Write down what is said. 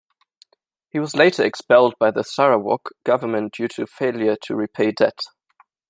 He was later expelled by the Sarawak government due to failure to repay debt.